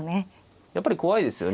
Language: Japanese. やっぱり怖いですよね。